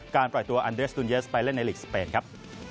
ปล่อยตัวอันเดสตูนเยสไปเล่นในลีกสเปนครับ